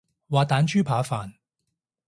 滑蛋豬扒飯